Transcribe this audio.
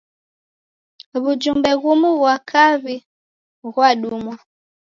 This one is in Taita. W'ujumbe ghumu ghwa kaw'i ghwadumwa.